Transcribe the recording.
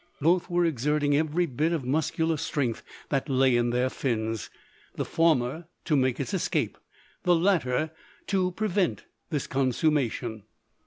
Both were exerting every bit of muscular strength that lay in their fins, the former to make its escape, the latter to prevent this consummation.